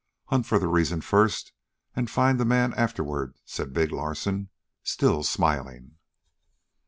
"Hunt for the reason first and find the man afterward," said big Larsen, still smiling.